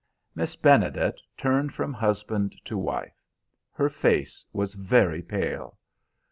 Miss Benedet turned from husband to wife. Her face was very pale.